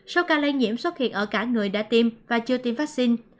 số ca lây nhiễm xuất hiện ở cả người đã tiêm và chưa tiêm vaccine